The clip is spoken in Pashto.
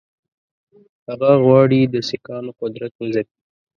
هغه غواړي د سیکهانو قدرت وځپي.